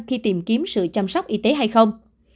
khi tìm kiếm sự chăm sóc y tế hay không